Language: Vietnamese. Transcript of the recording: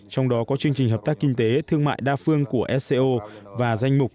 trong đó có chương trình hợp tác kinh tế thương mại đa phương của sco và danh mục